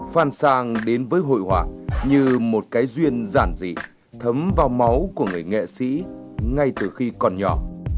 phan sang đến với hội họa như một cái duyên giản dị thấm vào máu của người nghệ sĩ ngay từ khi còn nhỏ